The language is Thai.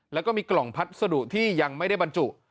แล้วก็มีกล่องพัสดุที่ยังไม่ได้บรรจุ